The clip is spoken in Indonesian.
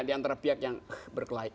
karena pihak yang berkelah